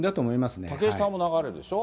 竹下派も流れるでしょ。